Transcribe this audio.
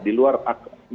di luar akal